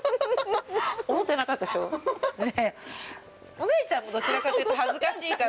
お姉ちゃんもどちらかというと恥ずかしいから。